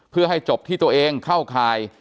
เพื่อให้จบที่ตัวเองเข้าข่าย